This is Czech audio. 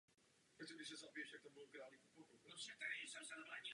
V současnosti to samé činí se svými kuřaty.